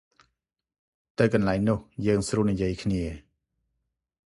ទៅកន្លែងនោះយើងស្រួលនិយាយគ្នា ។